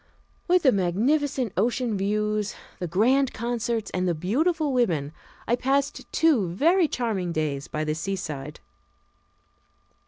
With the magnificent ocean views, the grand concerts, and the beautiful women, I passed two very charming days by the seaside.